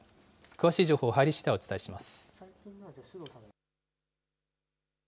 詳しい情報入りしだい、お伝えします。